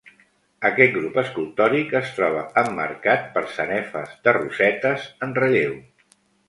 Aquest grup escultòric es troba emmarcat per sanefes de rosetes en relleu.